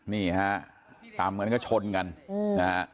นี่ฮะตามกันก็ชนกันนะฮะ